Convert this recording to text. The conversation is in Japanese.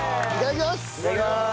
いただきます！